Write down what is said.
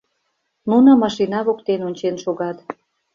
Нуно машина воктен ончен шогат.